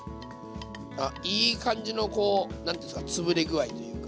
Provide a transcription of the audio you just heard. あっいい感じのこう何ていうんですかつぶれ具合というか。